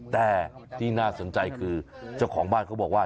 แต่ที่น่าสนใจคือเจ้าของบ้านเขาบอกว่า